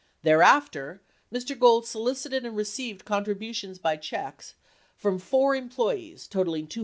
Thereafter, Mr. Gold solicited and received contributions by check from four employees totaling $225.